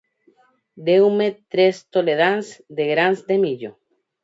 Deume tres toledáns de grans de millo.